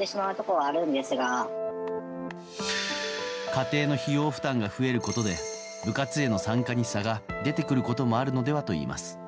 家庭の費用負担が増えることで部活への参加に差が出てくることもあるのではといいます。